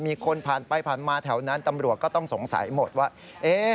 มีคนผ่านไปผ่านมาแถวนั้นตำรวจก็ต้องสงสัยหมดว่า